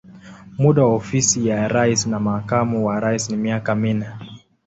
Muda wa ofisi ya rais na makamu wa rais ni miaka minne.